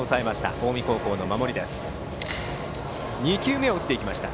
近江高校の守りです。